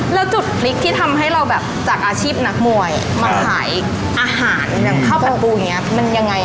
แล้วจุดพลิกที่ทำให้เราแบบจากอาชีพนักมวยมาขายอาหารอย่างข้าวผัดปูอย่างนี้มันยังไง